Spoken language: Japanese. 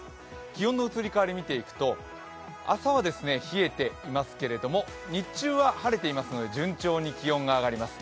気温の移り変わり見ていくと朝は冷えていますけれども、日中は晴れていますので順調に気温が上がります。